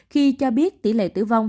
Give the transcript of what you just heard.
khi cho biết tỷ lệ tử vong